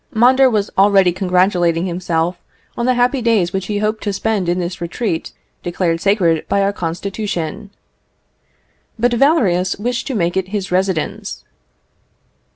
Mondor was already congratulating himself on the happy days which he hoped to spend in this retreat, declared sacred by our Constitution. But Valerius wished to make it his residence.